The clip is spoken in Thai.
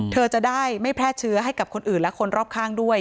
เธอจะได้ไม่แพร่เชื้อให้กับคนอื่นและคนรอบข้างด้วย